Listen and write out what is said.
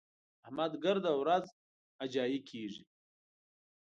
احمد ګرده ورځ اجايي کېږي.